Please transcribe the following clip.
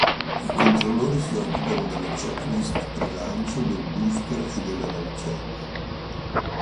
I controllori si occupano della checklist pre-lancio, del booster e della navicella.